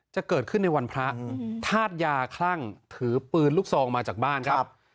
จะเกิดขึ้นในวันพระธาตุยาคลั่งถือปืนลูกซองมาจากบ้านครับ